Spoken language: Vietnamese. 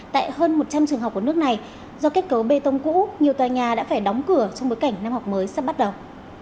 tại hơn một trăm linh trường học của nước này do kết cấu bê tông cũ nhiều tòa nhà đã phải đóng cửa trong bối cảnh năm học mới sắp bắt đầu